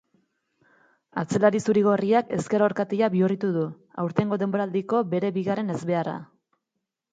Atzelari zuri-gorriak ezker orkatila bihurritu du, aurtengo denboraldiko bere bigarren ezbeharra.